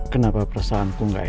kenapa perasaanku gak enak ya